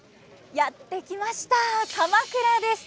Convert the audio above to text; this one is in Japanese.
やって来ました鎌倉です。